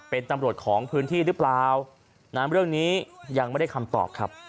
เป็นตำรวจของพื้นที่หรือเปล่านั้นเรื่องนี้ยังไม่ได้คำตอบครับ